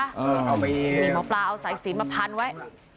เออเอาไปมีหมอปลาเอาสายสินมาพันไว้